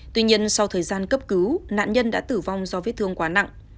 tuy nhiên sau thời gian cấp cứu nạn nhân đã tử vong do vết thương quá nặng